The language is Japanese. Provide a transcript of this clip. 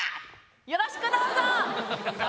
よろしくどうぞ。